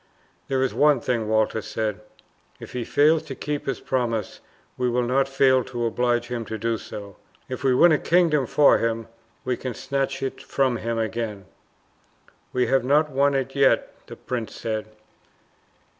"There is one thing," Walter said; "if he fail to keep his promises, we will not fail to oblige him to do so. If we win a kingdom for him, we can snatch it from him again." "We have not won it yet," the prince said.